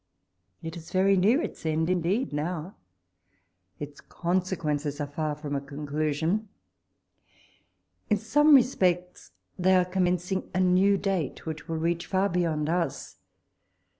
It is very near its end indeed now — its consequences are far from a conclusion. In some respects, they are commencing a new date, which will reach far beyond ns.